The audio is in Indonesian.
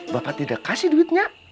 bapak tidak kasih duitnya